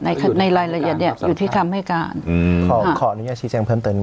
ในในรายละเอียดเนี้ยอยู่ที่คำให้การอืมขอขออนุญาตชี้แจ้งเพิ่มเติม